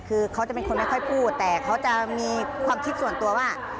คือเขาจะเป็นคนไม่ค่อยพูดแต่เขาจะมีความคิดส่วนตัวว่า